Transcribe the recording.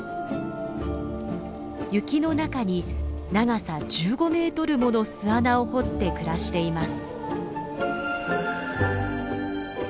雪の中に長さ１５メートルもの巣穴を掘って暮らしています。